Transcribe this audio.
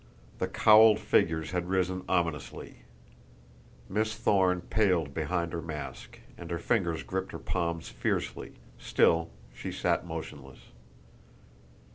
The cowled figures had risen ominously; Miss Thorne paled behind her mask, and her fingers gripped her palms fiercely, still she sat motionless.